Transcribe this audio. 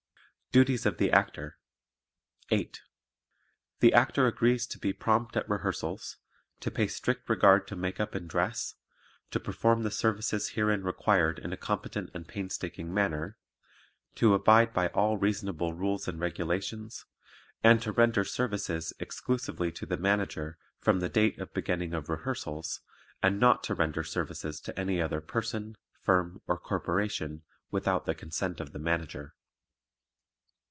Duties of the Actor 8. The Actor agrees to be prompt at rehearsals, to pay strict regard to makeup and dress, to perform the services herein required in a competent and painstaking manner, to abide by all reasonable rules and regulations, and to render services exclusively to the Manager from the date of beginning of rehearsals, and not to render services to any other person, firm or corporation without the consent of the Manager.